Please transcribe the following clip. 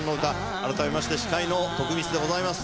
改めまして司会の徳光でございます。